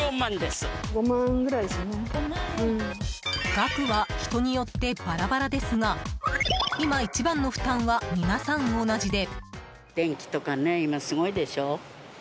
額は人によってバラバラですが今、一番の負担は皆さん同じで。